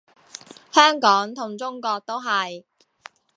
香港同中國都係